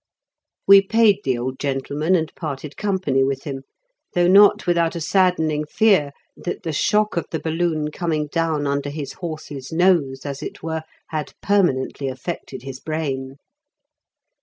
We paid the old gentleman and parted company with him, though not without a saddening fear that the shock of the balloon coming down under his horse's nose, as it were, had permanently affected his brain.